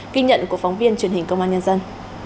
ghi nhận của phóng viên truyền hình công an nhân dân